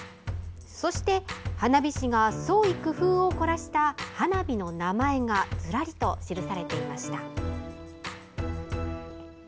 そして、花火師が創意工夫をこらした花火の名前がずらりと記されていました。